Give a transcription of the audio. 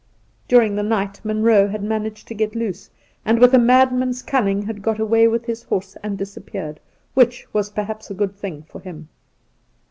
During the night Munroe had managed to get loose, and with a madman's cunning had got away with his horse and disappeared, which was perhaps a good thing for him.